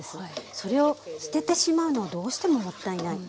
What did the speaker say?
それを捨ててしまうのはどうしてももったいない。